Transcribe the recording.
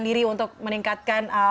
diri untuk meningkatkan